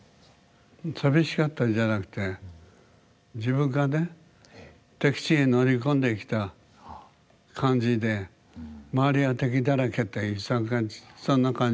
さみしかったんじゃなくて自分がね敵地に乗り込んできた感じで周りは敵だらけってそんな感じがね